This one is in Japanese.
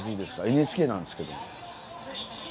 ＮＨＫなんですけども。